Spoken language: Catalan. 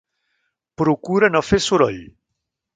Procura no fer soroll.